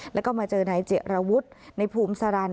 แล้วก็มาเจอนายเจรวุฒิในภูมิสารัน